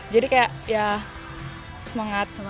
jadi kayak ya semangat